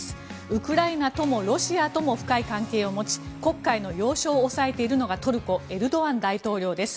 ウクライナともロシアとも深い関係を持ち黒海の要所を押さえているのがトルコ、エルドアン大統領です。